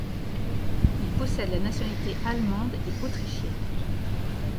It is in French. Il possède la nationalité allemande et autrichienne.